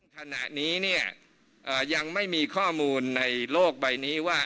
ขณะนี้เนี่ยยังไม่มีข้อมูลในโลกใบนี้ว่า